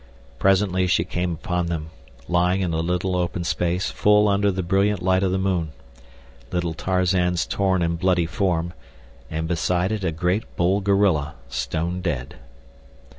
Presently she came upon them, lying in a little open space full under the brilliant light of the moon—little Tarzan's torn and bloody form, and beside it a great bull gorilla, stone dead.